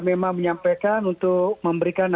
menyampaikan untuk memberikan